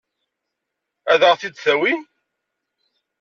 Ad ɣ-t-id-tawi?